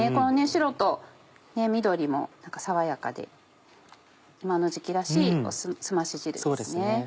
白と緑も爽やかで今の時期らしいすまし汁ですね。